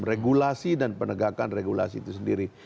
regulasi dan penegakan regulasi itu sendiri